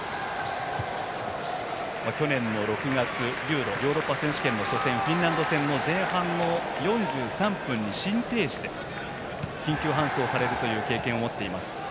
去年の６月、ＥＵＲＯヨーロッパ選手権の初戦フィンランド戦の前半４３分に心停止で緊急搬送されるという経験を持っています。